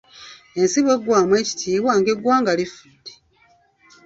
Ensi bweggwamu ekitiibwa ng'eggwanga lifudde.